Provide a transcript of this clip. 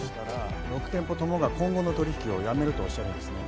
６店舗ともが今後の取引をやめるとおっしゃるんですね。